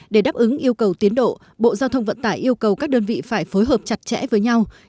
để đáp ứng yêu cầu tiến độ bộ giao thông vận tải yêu cầu các đơn vị phải phối hợp chặt chẽ với nhau